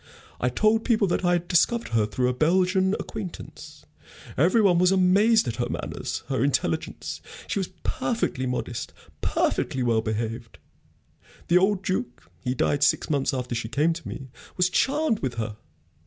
I told people that I had discovered her through a Belgian acquaintance. Every one was amazed at her manners, her intelligence. She was perfectly modest, perfectly well behaved. The old Duke he died six months after she came to me was charmed with her.